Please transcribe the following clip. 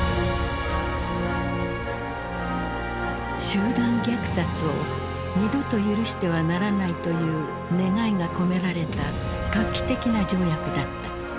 集団虐殺を二度と許してはならないという願いが込められた画期的な条約だった。